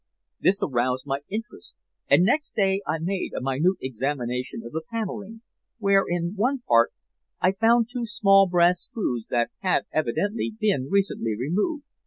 This aroused my interest, and next day I made a minute examination of the paneling, where, in one part, I found two small brass screws that had evidently been recently removed.